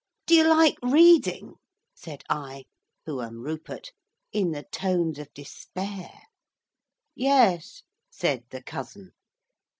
'Do you like reading?' said I who am Rupert in the tones of despair. 'Yes,' said the cousin.